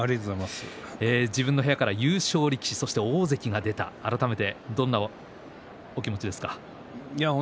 自分の部屋から優勝力士大関が出たのはどんな気持ちですか？